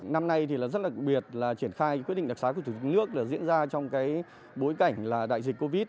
năm nay rất đặc biệt là triển khai quyết định đặc sá của thủ tướng nước diễn ra trong bối cảnh đại dịch covid một mươi chín